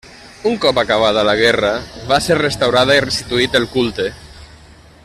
Un cop acabada la guerra va ser restaurada i restituït el culte.